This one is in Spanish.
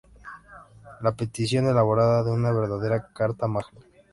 La petición elaborada era una verdadera Carta Magna.